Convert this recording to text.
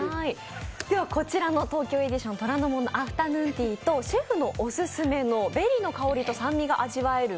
こちらの東京エディション虎ノ門のアフタヌーンティーとシェフのオススメの、ベリーの香りと酸味が味わえる